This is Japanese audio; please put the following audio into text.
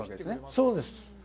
そうです。